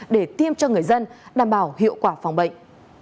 để tiêm cho người dân đảm bảo hiệu quả phòng bệnh